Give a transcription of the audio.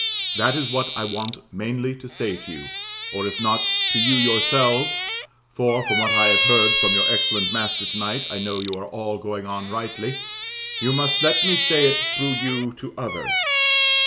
That is what I want mainly to say to you, or if not to you yourselves (for, from what I have heard from your excellent master to night, I know you are going on all rightly), you must let me say it through you to others.